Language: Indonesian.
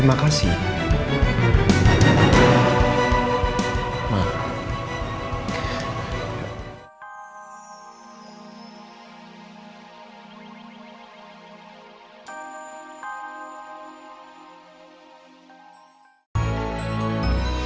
aduh aduh aduh